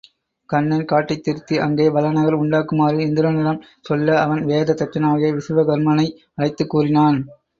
கண்ணன் காட்டைத் திருத்தி அங்கே வளநகர் உண்டாக்குமாறு இந்திரனிடம் சொல்ல அவன் வேத தச்சனாகிய விசுவகர்மனை அழைத்துக் கூறினான்.